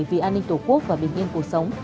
vì an ninh tổ quốc và bình yên cuộc sống